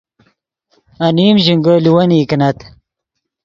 انیم ژینگے لیوینئی کینت